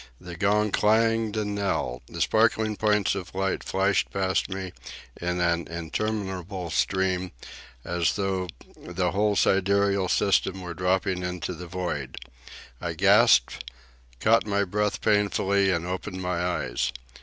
The gong clanged and knelled. The sparkling points of light flashed past me in an interminable stream, as though the whole sidereal system were dropping into the void. I gasped, caught my breath painfully, and opened my eyes.